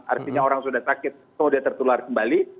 artinya orang sudah sakit atau dia tertular kembali